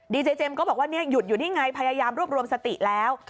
เจเจมส์ก็บอกว่าเนี่ยหยุดอยู่นี่ไงพยายามรวบรวมสติแล้ว